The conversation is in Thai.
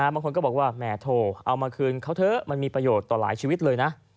บางคนก็บอกว่าแหมโทรเอามาคืนเขาเถอะมันมีประโยชน์ต่อหลายชีวิตเลยนะ